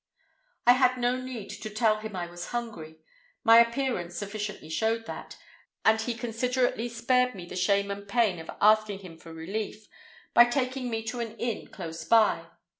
"I had no need to tell him I was hungry; my appearance sufficiently showed that, and he considerately spared me the shame and pain of asking him for relief, by taking me to an inn close by.